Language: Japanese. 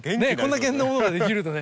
これだけのものが出来るとね